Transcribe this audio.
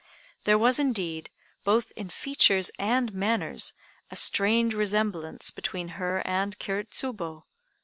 There was, indeed, both in features and manners a strange resemblance between her and Kiri Tsubo.